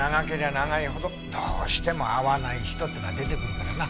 長いほどどうしても合わない人ってのは出てくるからな。